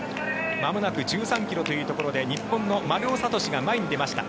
まもなく１３ｋｍというところで日本の丸尾知司が前に出ました。